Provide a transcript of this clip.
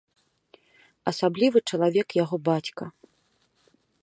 Асаблівы чалавек яго бацька.